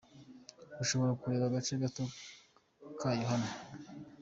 Ushobora kureba agace gato kayo hano:.